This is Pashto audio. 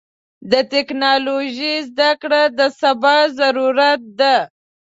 د ټکنالوژۍ زدهکړه د سبا ضرورت ده.